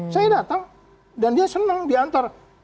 saya datang dan dia senang diantar